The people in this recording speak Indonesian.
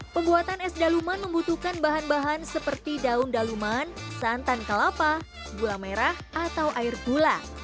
pembuatan es daluman membutuhkan bahan bahan seperti daun daluman santan kelapa gula merah atau air gula